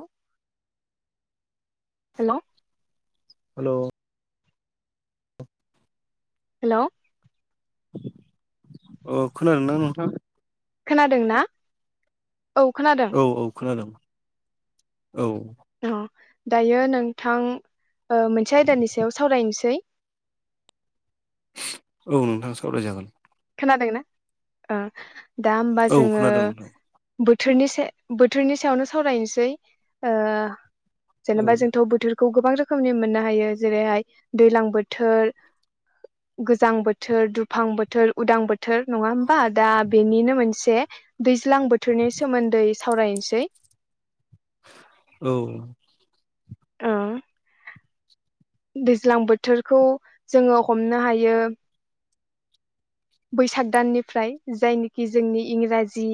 हेल'। Hello. Hello. Hello. ओ खोनादों ना नोंथां? खोनादों ना? औ खोनादों औ औ खोनादों। औ। अ दायो नोंथां ओ मोनसे आयदानि सायाव सावरायनोसै। औ नोंथां सावरायजागोन। खोनादोंना ओ दा होमबा औ जोङो खोनादों नोंथां बोथोरनि से बोथोरनि सायावनो सावरायनोसै ओ औ जेनेबा जोंथ' बोथोरखौ गोबां रोखोमनि मोननो हायो जेरैहाय दैज्लां बोथोर गोजां बोथोर दुफां बो थोर उदां बोथोर नङा होमबा दा बेनिनो मोनसे दैज्लां बोथोरनि सोमोन्दै साव सावरायनोसै। औ। आ। दैज्लां बोथोरखौ जोङो हमनो हायो बैसाग दाननिफ्राय जायनोखि जोंनि इंराजि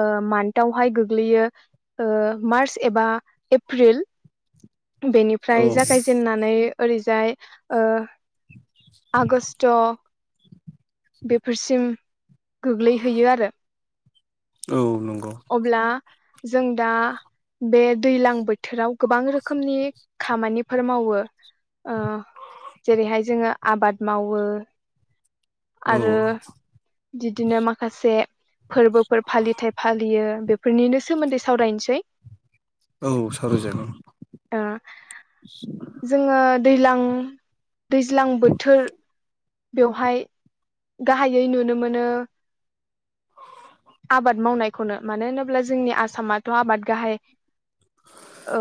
ओ मान्थावहाय गोग्लैयो। ओ मार्च एबा एप्रिल बेनिफ्राय औ जागायजेननानै ओरैजाय ओ आगस्ट' बेफोरसिम गोग्लैहैयो आरो। औ। नंगौ अब्ला जों दा बे दैज्लां बोथोराव गोबां रोखोमनि खामानिफोर मावो ओ जेरैहाय जोङो आबाद मावो। औ। आरो बिदिनो माखासे फोरबोफोर फालिथाय फालियो बे फोरनिनो सोमोन्दै सावरायनोसै। औ सावरायजागोन ओ जोङो दैज्लां दैज्लां बोथोर बेवहाय गाहायै नुनो मोनो आबाद मावनायखौनो मानो होनोब्ला जोंनि आसामाथ' आबाद गाहाय ओ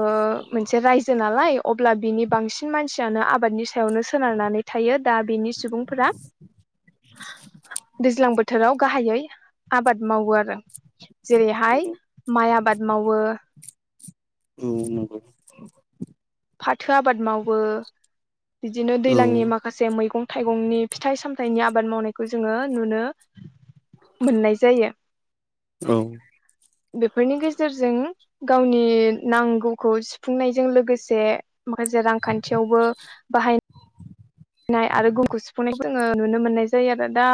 मोनसे रायजो नालाय अब्ला बिनि बांसिन मानसियानो आबादनि सायावनो सोनारनानै थायो दा बेनि सुबुंफोरा दैज्लां बोथोराव गाहायै आबाद मावो आरो औ जेरैहाय माइ आबाद मावो। औ नंगौ ‌। फाथो आबाद मावो बिदिनो औ दैज्लांनि माखासे मैगं थाइगंनि फिथाइ सामथाइनि आबाद मावनायखौ जोङो नुनो मोननाय जायो। औ। बेफोरनि गेजेरजों गावनि नांगौखौ सुफुंनायजों लोगोसे माखासे रांखान्थियावबो बाहाय नाय आरो गुबुनखौ सुफुंनायखौ जोङो नुनो मोननाय जायो आरो दा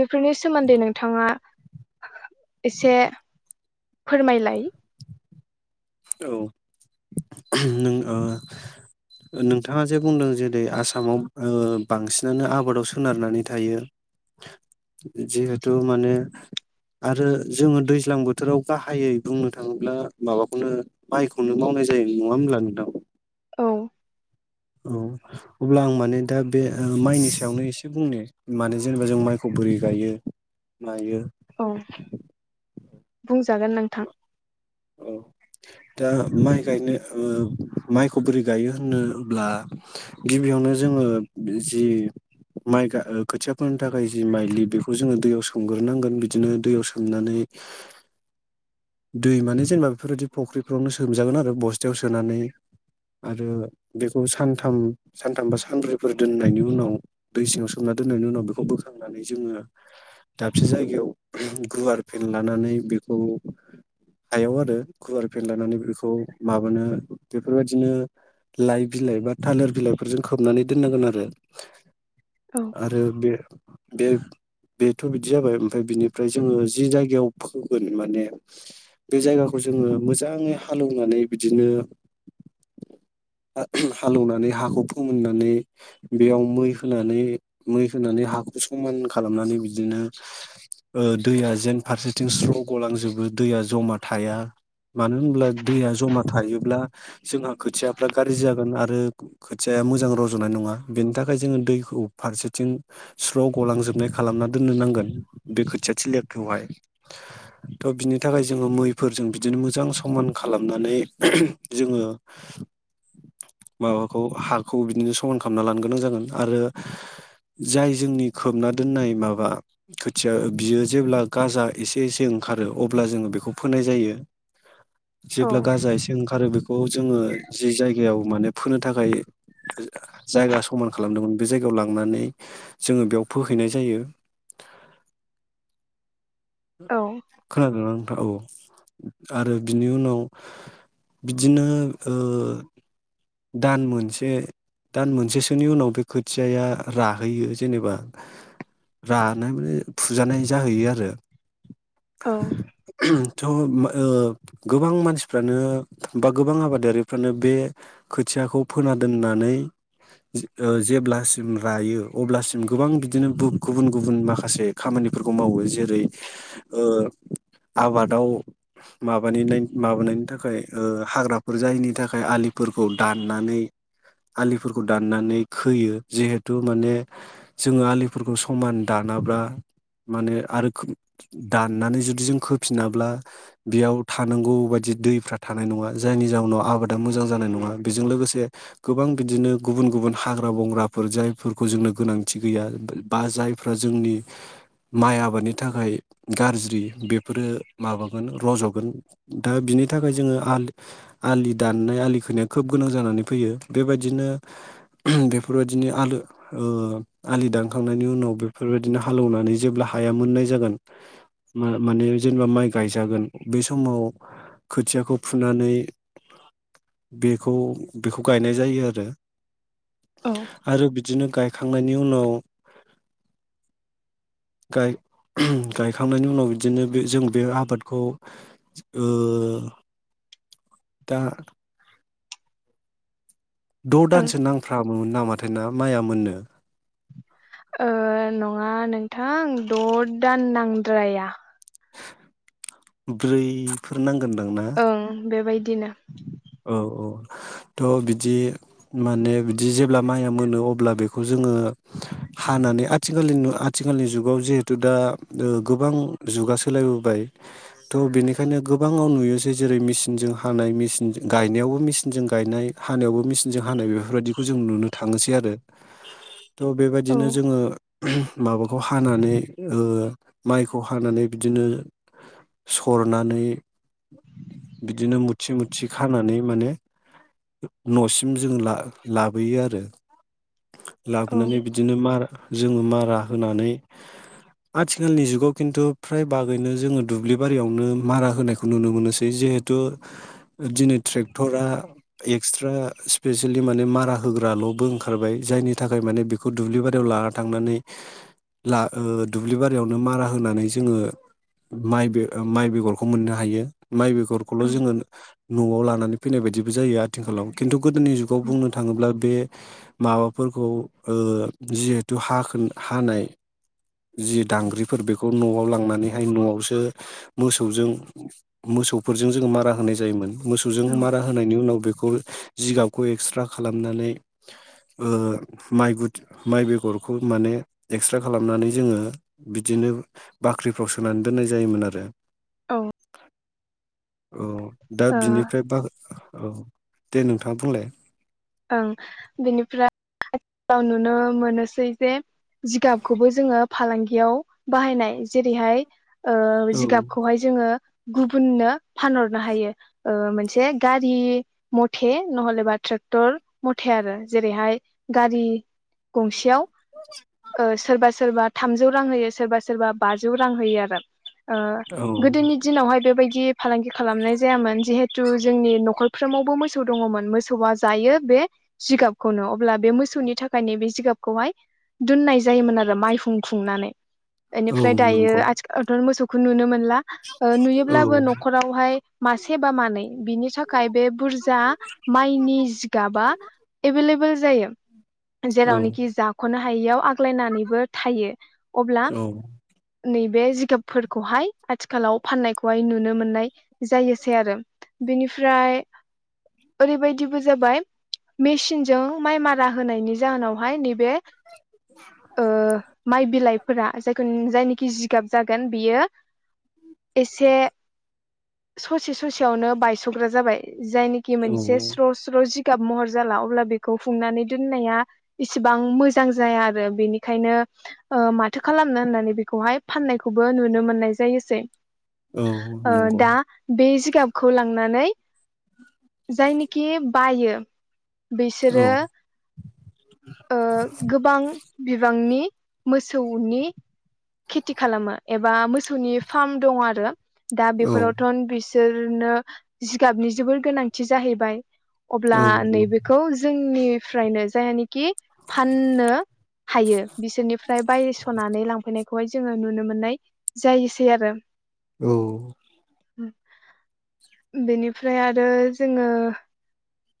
बेफोरनि सोमोन्दै नोंथाङा एसे फोरमायलाय। औ [unintelligible] नों ओ नोंथाङा जे बुंदों जेरै आसामाव ओ बांसिनानो आबादाव सोनारनानै थायो जिहेतु माने आरो जोङो दैज्लां बोथोराव गाहायै बुंनो थाङोब्ला माबाखौनो माइखौनो मावनाय जायो नङा होनब्ला नोंथां? औ औ अब्ला आं माने दा बे माइनि सायावनो एसे बुंनो माने जेनेबा जों माइखौ बुरै गायो मायो औ [inaudible] बुंजागोन नोंथां [inaudible] औ दा माइ गायनो ओ माइखौ बोरै गायो होनोब्ला गिबियावनो जों ओ जि माइ गा खोथियाफोरनि थाखाय जि माइलि बेखौ जोङो दैयाव सोमग्रोनांगोन बिदिनो दैयाव सोमनानै [unintelligible] [inaudible] दै माने जेनेबा बेफोरबायदि फुख्रिफ्रावनो सोमजागोन आरो बस्थायाव सोनानै। आरो बेखौ सानथाम सानथाम बा सानब्रैफोर दोननायनि उनाव दै सिङाव सोमना दोननायनि उनाव बेखौ बोखांनानै जोङो दाबसे जायगायाव गुवार फेन लानानै बेखौ [inaudible] हायाव आरो गुवार फेन लानानै बेखौ माबानो बेफोरबायदिनो लाइ बिलाइ बा थालिर बिलाइफोरजों खोबनानै दोननांगोन आरो औ आरो बे बे बेथ' बिदि जाबाय ओमफ्राय बिनिफ्राय जोङो जि जायगायाव फोगोन माने बे जायगाखौ जोङो मोजाङै हालेवनानै बिदिनो [inaudible] [unintelligible] हालौवनानै हाखौ फोमोननानै बेयाव मै होनानै मै होनानै हा हाखु समान खालामनानै बिदिनो ओ दैया जेन फारसेथिं स्र' गलांजोबो दैया जमा थाया मानो होनब्ला दैया जमा थायोब्ला जोंहा खोथियाफ्रा गाज्रि जागोन आरो खोथिया मोजां रज'नाय नङा बेनि थाखाय जोङो दैखौ फारसेथिं स्र' गलांजोबनाय खालामनानैना दोननो नांगोन बे खोथियाथिलिखौलाय थ बिनि नि थाखाय जोङो मैफोरजों बिदिनो मोजां समान खालामनानै [unintelligible] जोङो [inaudible] माबाखौ हाखौ बिदिनो समान खालामना लानो गोनां जागोन आरो जाय जोंनि खोबना दोननाय माबा खोथिया बियो जेब्ला गाजा इसे इसे ओं ओंखारो अब्ला जोङो बेखौ फोनाय जायो। औ जेब्ला गाजा इसे ओंखारो बेखौ जोङो जि जायगायाव माने फोनो थाखाय जायगा समान खालामदोंमोन बे जायगायाव लांनानै जोङो बेयाव फोहैनाय जायो [inaudible] औ खोनागादों नोंथां औ आरो बिनि उनाव बिदिनो ओ दान मोनसे दान मोनसेसोनि उनाव बे खोथियाया राहैयो जेनेबा रानाय माने फुजानाय जाहैयो आरो औ [unintelligible] थ ओ गोबां मानसिफ्रानो बा गोबां आबादारिफ्रानो बे खोथियाखौ फोना दोननानै जेब्लासिम रायो अब्लासिम गोबां बिदिनो बु गुबुन गुबुन माखासे खामानि बेफोरखौ मावो जेरै ओ आबादाव माबानाय माबानायनि थाखाय हाग्राफोर जायैनि थाखाय आलिफोर खौ दाननानै आलिफोरखौ दाननानै खोयो जिहेथु माने जोङो आलिफोरखौ समान दान माबा माने आरो दाननानै जुदि जों होफिनाब्ला बेयाव थानांगौ बायदि दैफ्रा थानाय नङा जायनि जाउनाव आबादा मोजां जानाय नङा बेजों लोगोसे गोबां बिदिनो गुबुन गुबुन हाग्रा बंग्राफोर जायफोरखौ जोंनो गोनांथि गैया बा जायफ्रा जोंनि माइ आबादनि थाखाय गाज्रि बेफोरो माबागोन रज'गोन दा बि बेनि थाखाय जोङो आलि दाननाय आलिखौनो खोब गोनां जानानै फैयो बेबायदिनो बेफोरबायदिनो ओ आलो ओ आलि दानखांनायनि उनाव बेफोरबायदिनो हालेवनानै जेब्ला हाया मोननाय जागोन माने जेनेबा माइ गायजागोन बे समाव खोथियाखौ फुनानै [inaudible] बेखौ बेखौ गायनाय जायो आरो औ आरो बिदिनो गायखांनायनि उनाव [inaudible] गायखांनायनि उनाव बिदिनो बे जों बे आबादखौ [inaudible] दा द' ओं दानसो नांफ्रामोन नामाथाय ना माइआ मोननो ओ नङा नोंथां द' दान नांद्राया ब्रैफोर नांगोनदां ना ओं बेबायदिनो औ औ थ' बिदि माने बिदि जेब्ला माइया मोनो अब्ला बेखौ जोङो हानानै आथिखालनि आथिखालनि जुगाव जिहेथु दा गोबां जुगा सोलायबोबाय थ' बेनिखायनो गोबाङाव नुयोसै जेरै मेचनजों हानाय मेचनजों गायनायावबो मेचिनजों गायनाय हानायावबो मेचिनजों हानाय बेफोरबायदिखौ जों नुनो थाङोसै आरो [inaudible] थ' औ बेबायदिनो जोङो माबाखौ हानानै ओ माइखौ हानानै बिदिनो सरनानै बिदिनो मुथि मुथि खानानै माने न'सिम जों ला-लाबोयो आरो औ लाबोनानै बिदिनो मार जोङो मारा होनानै आथिखालनि जुगाव खिन्थु फ्राय बागैनो जोङो दुब्लि बारियावनो मारा होनायखौ नुनो मोनोसै जि जिहेथु दिनै ट्रेक्टरा एक्स्रा स्पेसियेलि माने मारा होग्राल'बो ओंखारबाय जाय नि थाखाय माने बेखौ दुब्लि बारियाव लाना थांनानै ला ओ दुब्लि बारियावनो मारा होनानै जोङो माइगो माइ बेगरखौ मोननो हायो माइ बेगरखौल' औ जोङो न'आव लानानै फैनाय बायदिबो जायो आथिखालाव खिन्थु गोदोनि जुगाव बुंनो थाङोब्ला बे माबाफोरखौ ओ जिहेथु हाखो हानाय जि दांग्रिफोर बेखौ न'आव लांनानैहाय न'आवसो मोसौजों मोसौफोरजों जोङो मारा होनाय जायोमोन मोसौजों औ मारा होनायनि उनाव बेखौ उल जिगाबखौ एक्स्रा खालामनानै ओहो ओहो माइ गुदु माइ बेगरखौ माने एक्स्रा खालामनानै जोङो बिदि नो बाख्रिफ्राव सोनानै दोन्नाय जायोमोन आरो औ औ दा ओं बिनिफ्राय बाख्रिखौ दे नोंथां बुंलाय ओं बेनिफ्राय आथिखालाव नुनो मोनोसै जे जिगाबखौबो जोङो फालांगियाव बाहायनाय जेरैहाय ओ औ जिगाबखौहाय जोङो गुबुननो फानहरनो हायो ओ मोनसे गारि मथे नहलेबा थ्रेग क्टर मथे आरो जेरैहाय गारि गंसेयाव ओ सोरबा सोरबा थामजौ रां होयो सोरबा सोरबा बाजौ रां होयो आरो ओ औ गोदोनि दिनावहाय बेबायदि फालांगि खालामनाय जायामोन जिहेथु जोंनि न'खरफ्रोमावबो मोसौ दङमोन मोसौआ जायो बे बे जिगाबखौनो अब्ला बे मोसौनि थाखायनो बे जिगाबखौहाय दोननाय जायोमोन आरो माइहुं खुंनानै औ इनिफ्राय दायो नंगौ आथिखालथ' मोसौखौ नुनो मोनला औ नुयोब्लाबो न'खरावहाय मासे बा मानै बिनि थाखाय थाखाय बे बुरजा माइनि जिगाबा एभेल एभेल जायो औ जेरावनोखि जाख'नो हायियाव आ सलायनानैबो थायो अब्ला औ नैबे बे जिगाबफोरखौहाय आथिखालाव फाननायखौहाय नुनो मोननाय जायोसै आरो बिनिफ्राय ओरैबायदिबो जाबाय मेसिनजों माइ मारा जाहोनायनि जाहोनावहाय नैबे ओ माइ बिलाइफोरा जायखौ जायनिखि जिगाब जागोन बियो एसे ससे ससेयावनो बायस'ग्रा जाबाय जायनिखि औ मोनसे स्र' स्र' जिगाब महर जाला अब्ला बेखौ फुंनानै दोनाया इसेबां मोजां जाया आरो बेनिखायनो ओ माथो खालामनो होननानै बेखौ अहाय फानायखौबो नुनो मोननाय जे औ ओ नंगौ दा बेजे जिगाबखौ लांनानै जायनिखि बायो बिसोरो औ ओ गोबां बिबां निं मोसौनि खेथि खालामो एबा मोसौनि फार्म दङ आरो दा औ बेफोरावथ' बिसोरनो जिगाबनि जोबोर गोनांथि जाहैबाय। अब्ला औ नैबेखौ जोंनिफ्रायनो जायहानिखि फाननो हायो बिसोरनिफ्राय बायस'नानै लांफैनायखौहाय जोङो नुनो मोननाय जायोसै आरो औ [inaudible] बेनिफ्राय आरो जोङो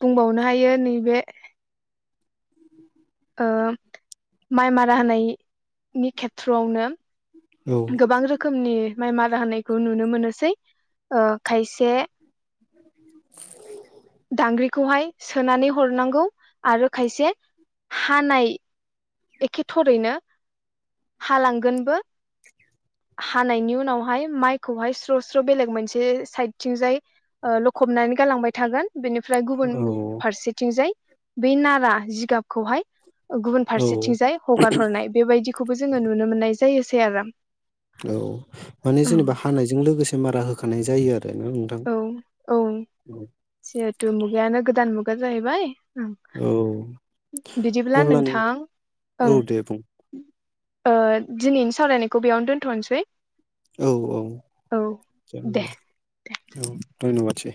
बुंबावनो हायो नैबे ओ माइ मारा होनायनि खेथ्रआवनो औ गोबां रोखोमनि माइ मारा होनायखौ नुनो मोनोसै ओ खायसे [inaudible] दांग्रिखौहाय सोनानै हरनांगौ आरो खायसे हानाय एखे थरैनो हालांगोनबो [inaudible] हानायनि उनावहाय माइखौहाय स्र' स्र' बेलेग मोनसे साइदथिंजाय लखबनानै गालांबाय थागोन। बेनिफ्राय गुबुन औ फारसेथिंजाय बेै नारा जिगाबखौहाय गुबुन औ फारसेथिंजाय हगार हरनाय बेबायदिखौबो जोङो नुनो मोननाय जायोसै आराम औ माने जेनेबा हानायजों लोगोसे मारा होखानाय जायो आरो ना‌ औ औ जिहेथु मुगायानो गोदान मुगा जाहैबाय। ओं औ बिदिब्ला अब्ला नों नोंथां औ ओं दे बुं दिनैनि सावरायनायखौ बेयावनो दोनथ'नोसै। औ औ ज औ औ धन्बाद। मोनसै।